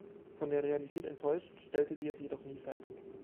Von der Realität enttäuscht, stellte sie es jedoch nie fertig.